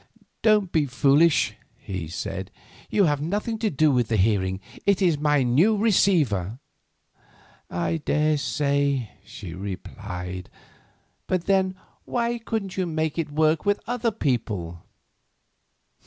"Don't be foolish," he said; "you have nothing to do with the hearing; it is my new receiver." "I daresay," she replied; "but, then, why couldn't you make it work with other people?"